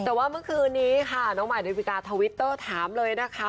แต่ว่าเมื่อคืนนี้ค่ะน้องใหม่ดาวิกาทวิตเตอร์ถามเลยนะคะ